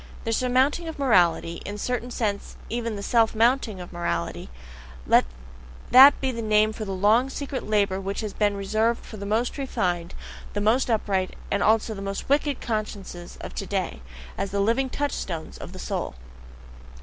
The surmounting of morality, in a certain sense even the self mounting of morality let that be the name for the long secret labour which has been reserved for the most refined, the most upright, and also the most wicked consciences of today, as the living touchstones of the soul.